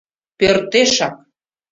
— Пӧртешак...